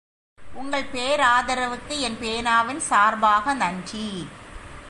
உங்கள் பேராதரவுக்கு என் பேனாவின் சார்பாக நன்றி.